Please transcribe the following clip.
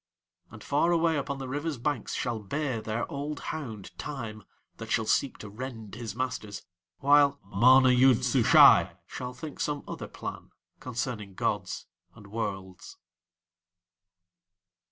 And far away upon the River's banks shall bay their old hound Time, that shall seek to rend his masters; while MANA YOOD SUSHAI shall think some other plan concerning gods and worlds.